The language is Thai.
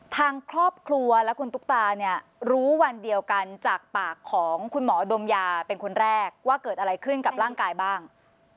ทางครอบครัวและคุณตุ๊กตาเนี่ยรู้วันเดียวกันจากปากของคุณหมอดมยาเป็นคนแรกว่าเกิดอะไรขึ้นกับร่างกายบ้าง